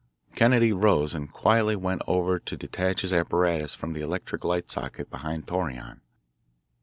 Kennedy rose and quietly went over to detach his apparatus from the electric light socket behind Torreon.